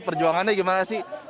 perjuangannya gimana sih